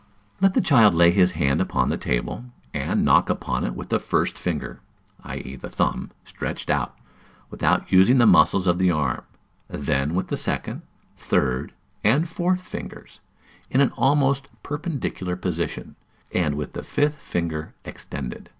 Let the child lay his hand upon the table, and knock upon it with the first finger (i.e., the thumb) stretched out, without using the muscles of the arm, then with the second, third, and fourth fingers, in an almost perpendicular position, and with the fifth finger extended.